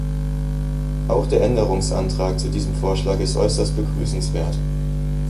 Auch der Änderungsantrag zu diesem Vorschlag ist äußerst begrüßenswert.